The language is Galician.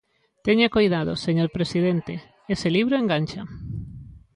Teña coidado, señor presidente, ese libro engancha.